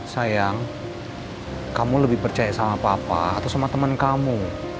sayang kamu lebih percaya sama papa atau sama teman kamu